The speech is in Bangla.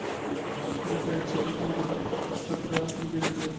রাতের খাওয়া সেরে, গায়ে চাদর মুড়ো দিয়ে তারা যাত্রার আসরে ভিড় করে।